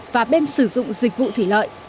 và bên sử dụng dịch vụ thủy lợi